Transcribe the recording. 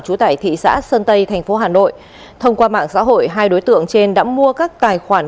trú tại thị xã sơn tây thành phố hà nội thông qua mạng xã hội hai đối tượng trên đã mua các tài khoản